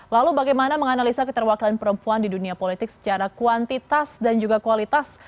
lalu bagaimana menganalisa keterwakilan perempuan di dunia politik secara kuantitas dan juga kualitas